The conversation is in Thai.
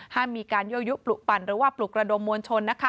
มีการยั่วยุปลุกปั่นหรือว่าปลุกระดมมวลชน